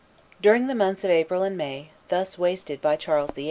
During the months of April and May, thus wasted by Charles VIII.